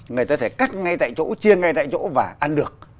người ta thể cắt ngay tại chỗ chia ngay tại chỗ và ăn được